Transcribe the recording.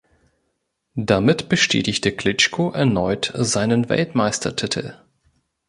Damit bestätigte Klitschko erneut seinen Weltmeistertitel.